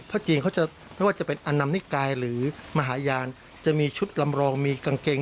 จีนเขาจะไม่ว่าจะเป็นอันนำนิกายหรือมหาญาณจะมีชุดลำรองมีกางเกง